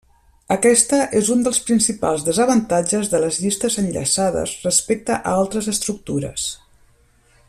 Aquesta és un dels principals desavantatges de les llistes enllaçades respecte a altres estructures.